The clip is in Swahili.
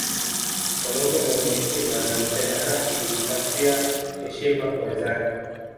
Mwanaume mwenye hekima na mpenda haki hujipatia heshima kwa wenzake